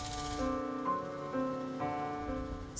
bersambungkan dengan mbak mujana